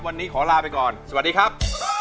วันนี้ขอลาไปก่อนสวัสดีครับ